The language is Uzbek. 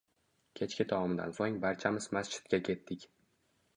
Kechki taomdan so`ng barchamiz masjidga ketdik